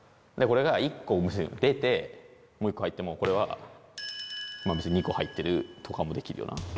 これが１個もし出てもう１個入ってもこれはまぁ別に２個入ってるとかもできるような。